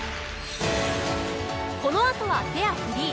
このあとはペアフリー。